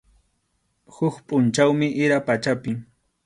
Huk pʼunchawmi ira pachapi.